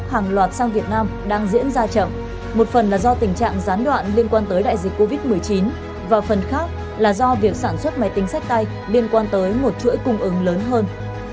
hàng loạt sang việt nam đang diễn ra chậm một phần là do tình trạng gián đoạn liên quan tới đại dịch covid một mươi chín và phần khác là do việc sản xuất máy tính sách tay liên quan tới một chuỗi cung ứng lớn hơn